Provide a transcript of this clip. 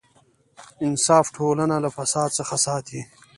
انصاف ټولنه له فساد څخه ساتي.